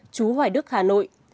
chú hoài đức hà nội